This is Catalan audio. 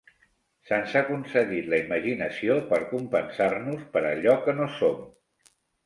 Se'ns ha concedit la imaginació per compensar-nos per allò que no som.